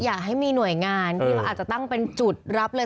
อยากให้มีหน่วยงานที่เขาอาจจะตั้งเป็นจุดรับเลย